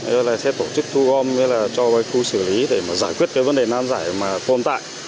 thế là sẽ tổ chức thu gom cho khu xử lý để giải quyết vấn đề nam giải tồn tại